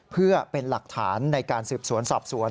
เพื่อเป็นหลักฐานในการสืบสวนสอบสวน